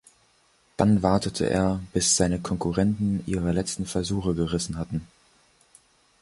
Dann wartete er, bis seine Konkurrenten ihre letzten Versuche gerissen hatten.